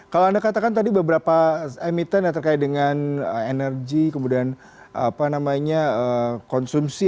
kalau anda katakan tadi beberapa emiten yang terkait dengan energi kemudian konsumsi